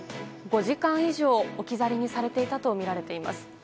５時間以上、置き去りにされていたとみられています。